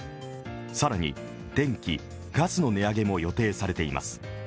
更に電気・ガスの値上げも予定されています。